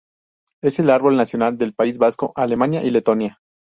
Es el árbol nacional del País Vasco, Alemania y Letonia.